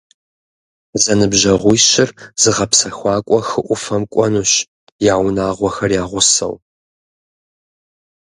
Зэныбжьэгъуищыр зыгъэпсэхуакӏуэ хы ӏуфэм кӏуэнущ, я унагъуэхэр я гъусэу.